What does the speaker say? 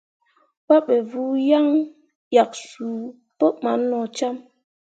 Pabe vuu yaŋ ʼyak suu pǝɓan nocam.